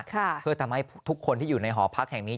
เพื่อทำให้ทุกคนที่อยู่ในหอพักแห่งนี้